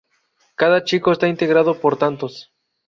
Cada chico está integrado por tantos.